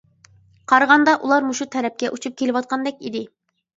قارىغاندا ئۇلار مۇشۇ تەرەپكە ئۇچۇپ كېلىۋاتقاندەك ئىدى.